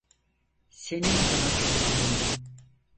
Senin adına çok sevindim.